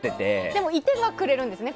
でも、いてはくれるんですね。